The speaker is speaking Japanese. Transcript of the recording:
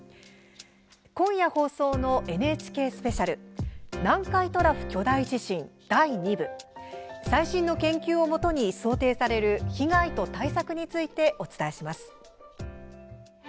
今夜、放送のＮＨＫスペシャル「南海トラフ巨大地震第２部」。最新の研究をもとに想定される被害と対策についてお伝えします。